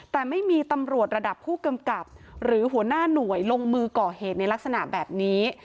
แต่ไม่มีตำรวจระดับผู้กำกับหรือหัวหน้าหน่วยลงมือก่อเหตุในลักษณะแบบนี้